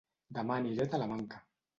Dema aniré a Talamanca